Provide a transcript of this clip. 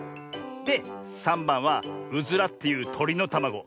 で３ばんはウズラっていうとりのたまご。